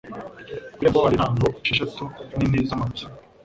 Ku irembo hari intango esheshatu nini z'amabuye,